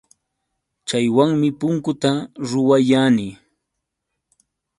Chaywanmi punkuta ruwayani.